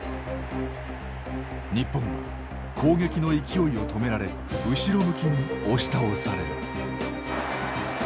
日本は攻撃の勢いを止められ後ろ向きに押し倒される。